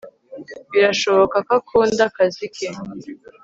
Birashoboka ko akunda akazi ke